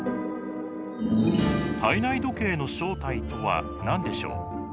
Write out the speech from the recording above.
体内時計の正体とは何でしょう？